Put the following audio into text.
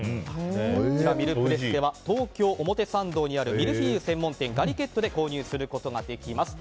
ミルプレッセは東京・表参道にあるミルフィーユ専門店ガリゲットで購入することができます。